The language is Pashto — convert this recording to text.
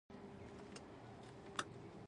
د افغانستان په منظره کې د کابل سیند ښکاره ښکاري.